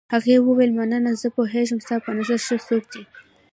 هغې وویل: مننه، زه پوهېږم ستا په نظر ښه څوک دی.